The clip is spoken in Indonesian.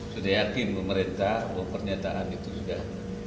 sudah yakin pemerintah bahwa pernyataan itu sudah